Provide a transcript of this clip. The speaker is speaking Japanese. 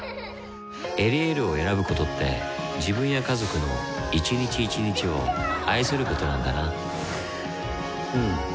「エリエール」を選ぶことって自分や家族の一日一日を愛することなんだなうん。